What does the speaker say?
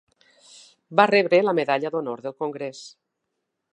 Va rebre la medalla d'honor del congrés!